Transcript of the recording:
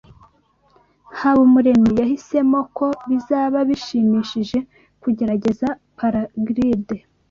Habumuremyi yahisemo ko bizaba bishimishije kugerageza paraglide.